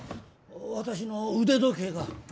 私の腕時計が。